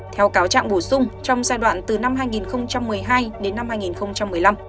theo cáo trạng bổ sung trong giai đoạn từ năm hai nghìn một mươi hai đến năm hai nghìn một mươi năm